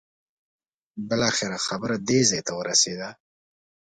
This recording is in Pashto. بالاخره خبره دې ځای ورسېده.